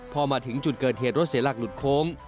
พอมาถึงจุดเกิดเหตุรถเสียหลักหลุดโค้ง